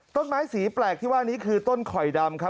ต้นไม้สีแปลกที่ว่านี้คือต้นข่อยดำครับ